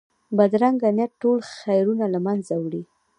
بدرنګه نیت ټول خیرونه له منځه وړي